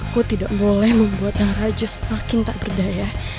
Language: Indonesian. aku tidak boleh membuat yang raju semakin tak berdaya